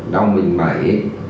đau mình mẩy